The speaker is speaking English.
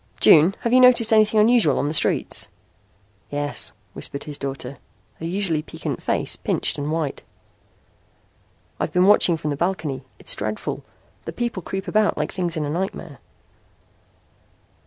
June, have you noticed anything unusual on the streets?" "Yes," whispered his daughter, her usually piquant face pinched and white. "I've been watching from the balcony. It's dreadful. The people creep about like things in a nightmare."